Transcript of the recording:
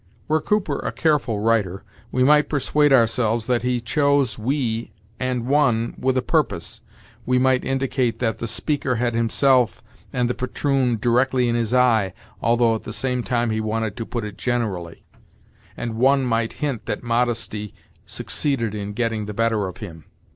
Were Cooper a careful writer, we might persuade ourselves that he chose 'we' and 'one' with a purpose: 'we' might indicate that the speaker had himself and the patroon directly in his eye, although at the same time he wanted to put it generally; and 'one' might hint that modesty succeeded in getting the better of him.